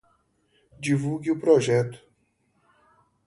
Divulgue o projeto!